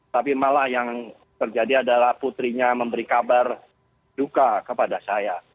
tapi malah yang terjadi adalah putrinya memberi kabar duka kepada saya